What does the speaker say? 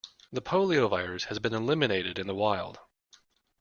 The poliovirus has been eliminated in the wild.